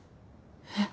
えっ？